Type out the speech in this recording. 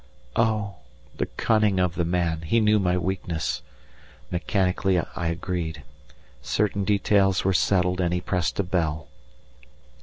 Oh! the cunning of the man; he knew my weakness. Mechanically, I agreed. Certain details were settled, and he pressed a bell.